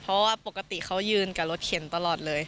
เพราะว่าปกติเขายืนกับรถเข็นตลอดเลย